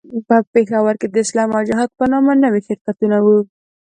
په پېښور کې د اسلام او جهاد په نامه نوي شرکتونه وو.